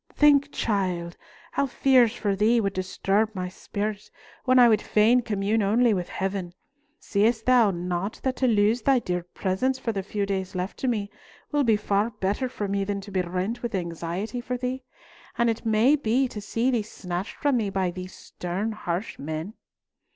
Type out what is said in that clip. Think, child, how fears for thee would disturb my spirit, when I would fain commune only with Heaven. Seest thou not that to lose thy dear presence for the few days left to me will be far better for me than to be rent with anxiety for thee, and it may be to see thee snatched from me by these stern, harsh men?"